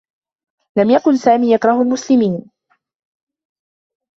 لم يكن سامي يكره المسلمين.